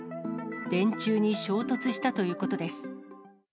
電柱に衝突したということです。